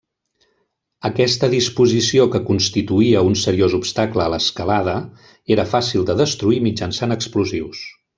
Aquesta disposició que constituïa un seriós obstacle a l'escalada, era fàcil de destruir mitjançant explosius.